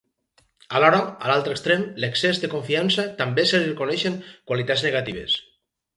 Alhora, a l'altre extrem, l'excés de confiança, també se li reconeixen qualitats negatives.